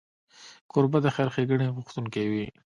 کوربه د خیر ښیګڼې غوښتونکی وي.